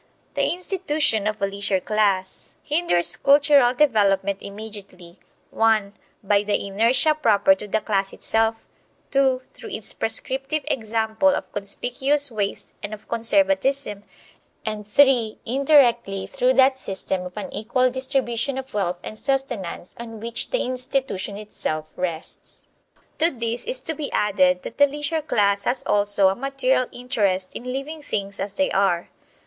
The institution of a leisure class hinders cultural development immediately (1) by the inertia proper to the class itself, (2) through its prescriptive example of conspicuous waste and of conservatism, and (3) indirectly through that system of unequal distribution of wealth and sustenance on which the institution itself rests. To this is to be added that the leisure class has also a material interest in leaving things as they are.